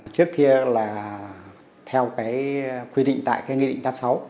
trước kia là theo quy định tại nghị định tám mươi sáu